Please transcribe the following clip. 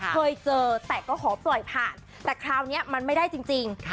เคยเจอแต่ก็ขอปล่อยผ่านแต่คราวนี้มันไม่ได้จริง